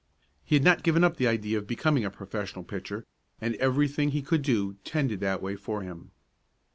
He had not given up the idea of becoming a professional pitcher, and everything he could do tended that way for him.